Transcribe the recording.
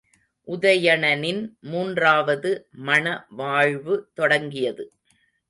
உதயணனின் மூன்றாவது மண வாழ்வு தொடங்கியது.